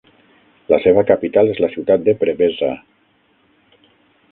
La seva capital és la ciutat de Preveza.